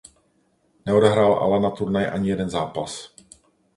Neodehrál ale na turnaji ani jeden zápas.